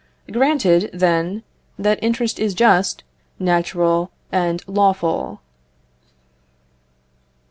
Granted, then, that interest is just, natural, and lawful.